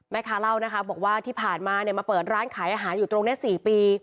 แม่ค้าเล่านะคะบอกว่าที่ผ่านมาเนี่ยมาเปิดร้านขายอาหารอยู่ตรงนี้๔ปี